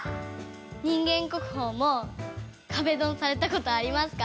人間国宝も壁ドンされたことありますか？